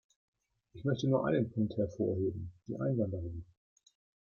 Ich möchte nur einen Punkt hervorheben, die Einwanderung.